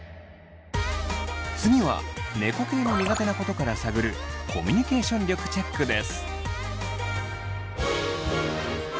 次は猫系の苦手なことから探るコミュニケーション力チェックです！